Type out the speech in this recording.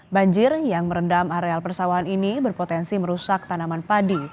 banjir yang merendam areal persawahan ini berpotensi merusak tanaman padi